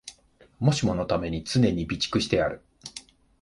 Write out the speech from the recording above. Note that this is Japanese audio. もしものために常に備蓄してある